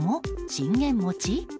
信玄餅？